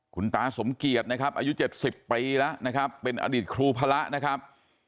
คุณตาสมเกียจนะครับอายุ๗๐ปีแล้วนะครับเป็นอดีตครูพระนะครับ